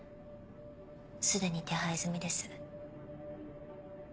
既に手配済みです。